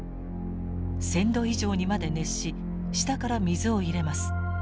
１，０００℃以上にまで熱し下から水を入れます。